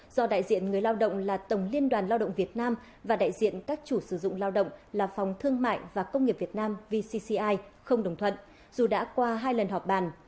do đại diện người lao động là tổng liên đoàn lao động việt nam và đại diện các chủ sử dụng lao động là phòng thương mại và công nghiệp việt nam vcci không đồng thuận dù đã qua hai lần họp bàn